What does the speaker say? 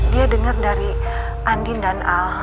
dia dengar dari andin dan